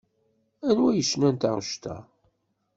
Anwa yecnan taɣect-a?